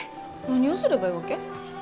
何をすればいいわけ？